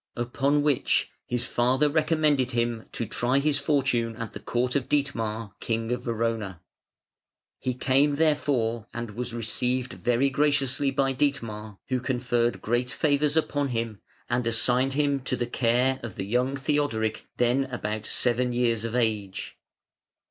Upon which his father recommended him to try his fortune at the court of Dietmar, King of Verona. He came therefore and was received very graciously by Dietmar, who conferred great favours upon him and assigned to him the care of the young Theodoric then about seven years of age.